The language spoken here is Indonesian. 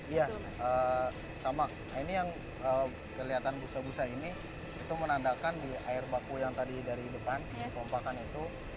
iya sama ini yang kelihatan busa busa ini itu menandakan di air baku yang tadi dari depan dipompakan itu